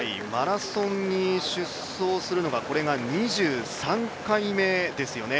マラソンに出走するのがこれが２３回目ですよね。